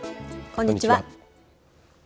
こんにちは。